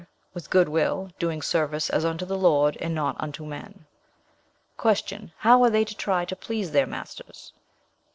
'With good will, doing service as unto the Lord, and not unto men.' "Q. How are they to try to please their masters?